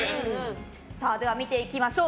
見ていきましょう。